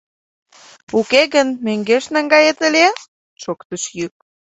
— Уке гын, мӧҥгеш наҥгает ыле? — шоктыш йӱк.